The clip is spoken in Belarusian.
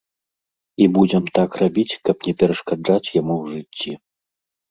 І будзем так рабіць, каб не перашкаджаць яму ў жыцці.